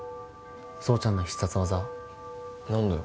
蒼ちゃんの必殺技何だよ